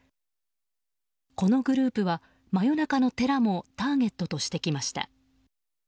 このグループは、真夜中の寺もターゲットとしてきました。